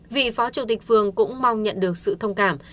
vị phó chủ tịch phường cũng mong nhận được sự thông cảm